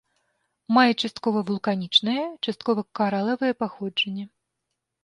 Мае часткова вулканічнае, часткова каралавае паходжанне.